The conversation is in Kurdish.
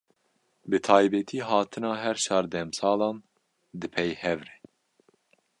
Bi taybetî hatina her çar demsalan di pey hev re.